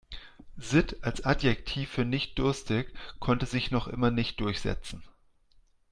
Sitt als Adjektiv für nicht-durstig konnte sich noch immer nicht durchsetzen.